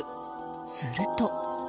すると。